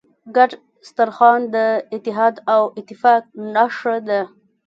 ګډ سترخوان د اتحاد او اتفاق نښه ده.